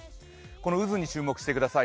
この渦に注目してください。